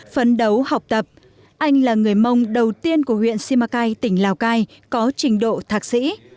phấn đấu học tập anh là người mông đầu tiên của huyện simacai tỉnh lào cai có trình độ thạc sĩ